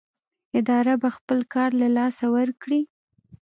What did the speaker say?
اداره به خپل کار له لاسه ورکړي.